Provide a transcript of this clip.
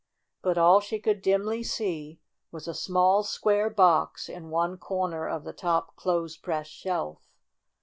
But all she could dimly see was a small, square box in one corner of the top clothes ' press shelf.